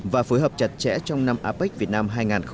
và phối hợp chặt chẽ trong năm apec việt nam hai nghìn một mươi bảy